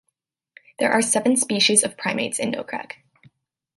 There are seven species of primates in Nokrek.